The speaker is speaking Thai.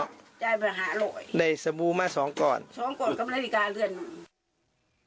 เจอแบบให้หาลอยใส่สบู่มา๒กรอบ๒กรอบก็แม่งเปิดอาฬิกาเลื่อน